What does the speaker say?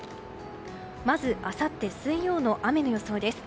まずあさって水曜の雨の予想です。